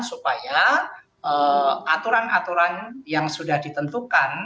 supaya aturan aturan yang sudah ditentukan